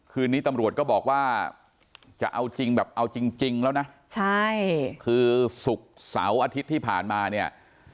คืนนี้ตำรวจก็บอกว่าจะเอาจริงแบบเอาจริงแล้วนะใช่คือศุกร์เสาร์อาทิตย์ที่ผ่านมาเนี่ย